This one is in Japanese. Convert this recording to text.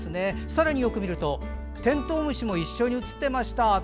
さらによく見るとてんとう虫も一緒に写っていました。